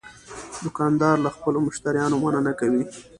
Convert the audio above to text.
دوکاندار له خپلو مشتریانو مننه کوي.